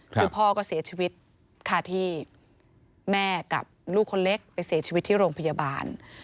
คือพ่อก็เสียชีวิตค่ะที่แม่กับลูกคนเล็กไปเสียชีวิตที่โรงพยาบาล